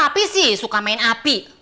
pak pi sih suka main api